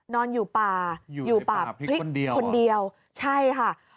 นอนอยู่ป่าอยู่ป่าพริกคนเดียวใช่ค่ะ